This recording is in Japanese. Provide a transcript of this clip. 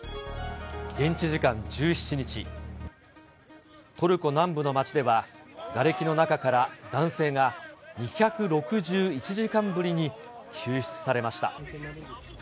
現地時間１７日、トルコ南部の街では、がれきの中から男性が２６１時間ぶりに救出されました。